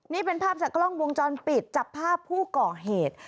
นี่เป็นภาพจากกล้องวงจรปิดจับภาพผู้ก่อเหตุ